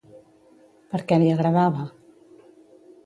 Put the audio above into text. Per què li agradava?